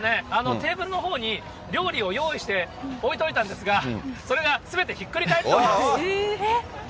テーブルのほうに料理を用意して置いといたんですが、それがすべてひっくり返っております。